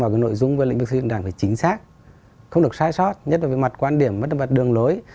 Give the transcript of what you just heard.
mọi nội dung về lĩnh vực xây dựng đảng phải chính xác không được sai sót nhất là về mặt quan điểm mặt đường lối